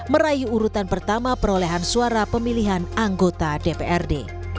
meraih urutan pertama perolehan suara pemilihan anggota dprd